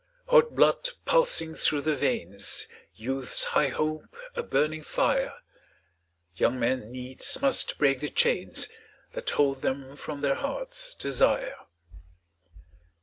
Hot blood pulsing through the veins, Youth's high hope a burning fire, Young men needs must break the chains That hold them from their hearts' desire.